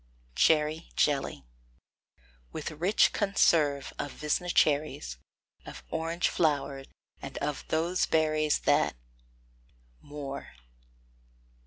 CHERRY JELLY. With rich conserve of Visna cherries, Of orange flower, and of those berries That . MOORE.